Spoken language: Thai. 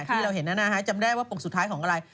ที่เราเห็นจำได้ว่าปกสุดท้ายของอะไร